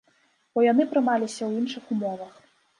Бо яны прымаліся ў іншых умовах.